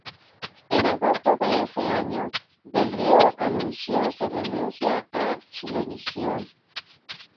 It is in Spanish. En agosto de ese año, Del Río anunció su renuncia a Chilevisión.